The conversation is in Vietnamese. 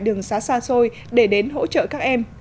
đường xá xa xôi để đến hỗ trợ các em